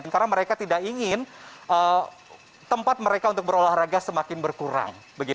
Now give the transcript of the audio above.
karena mereka tidak ingin tempat mereka untuk berolahraga semakin berkurang